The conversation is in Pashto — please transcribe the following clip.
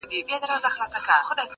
د دې نوي کفن کښ ګډه غوغا وه؛